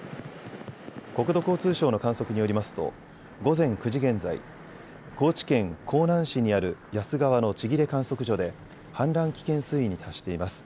国土交通省の観測によりますと午前９時現在、高知県香南市にある夜須川の千切観測所で氾濫危険水位に達しています。